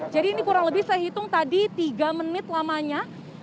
jadi ini kurang lebih saya hitung tadi tiga menit lamanya